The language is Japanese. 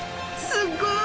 すっごい！